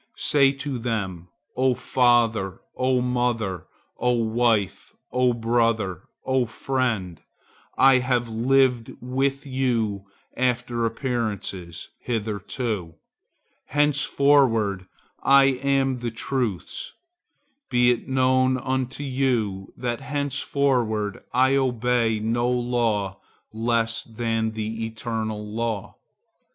Say to them, 'O father, O mother, O wife, O brother, O friend, I have lived with you after appearances hitherto. Henceforward I am the truth's. Be it known unto you that henceforward I obey no law less than the eternal law.